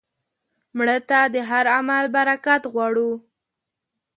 مړه ته د هر عمل برکت غواړو